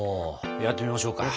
やってみましょう。